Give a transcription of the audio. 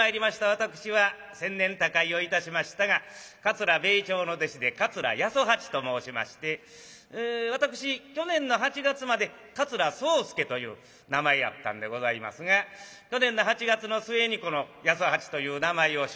私は先年他界をいたしましたが桂米朝の弟子で桂八十八と申しまして私去年の８月まで桂宗助という名前やったんでございますが去年の８月の末にこの八十八という名前を襲名いたしましてね。